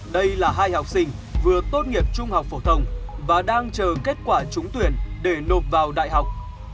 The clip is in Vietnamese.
đây là hai học sinh vừa tốt nghiệp trung học phổ thông và đang chờ kết quả trúng tuyển để nộp vào đại học